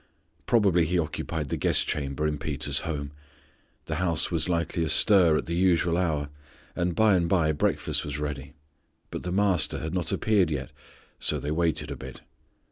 Probably He occupied the guest chamber in Peter's home. The house was likely astir at the usual hour, and by and by breakfast was ready, but the Master had not appeared yet, so they waited a bit.